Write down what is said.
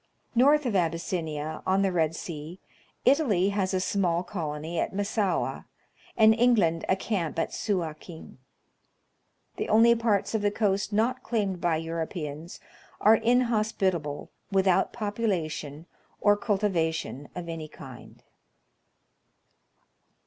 North of Abyssinia, on the Red Sea, Italy has a small colony at Massaua, and England a camp at Suakin. The only parts of the coast not claimed by Europeans are inhos pitable, without popula; tion or cultivation of any kind.